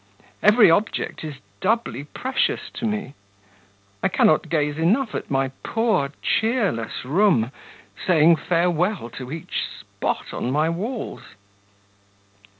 Every object is doubly precious to me. I cannot gaze enough at my poor, cheerless room, saying farewell to each spot on my walls.